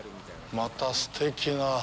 またすてきな。